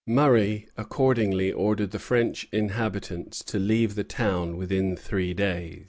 Murray accordingly ordered the French inhabitants to leave the town within three days.